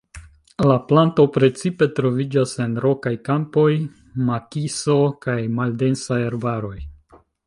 La planto precipe troviĝas en rokaj kampoj, makiso kaj maldensaj arbaroj.